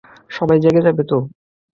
সবাই জেগে যাবে তো!